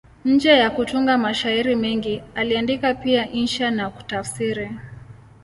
Nje ya kutunga mashairi mengi, aliandika pia insha na kutafsiri.